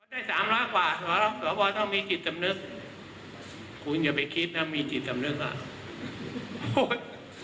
ได้สามร้อยกว่าสวต้องมีจิตสำนึกคุณอย่าไปคิดนะมีจิตสำนึกอ่ะ